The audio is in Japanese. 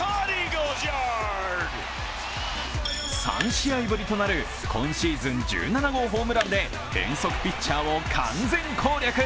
３試合ぶりとなる今シーズン１７号ホームランで変則ピッチャーを完全攻略。